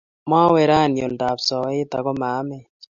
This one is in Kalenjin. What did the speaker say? Mawe rauni oldab soeet aku maamech